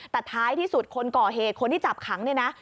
แต่ท้ายที่สุดคนก่อเหตุคนที่จับขังเนี่ยนะ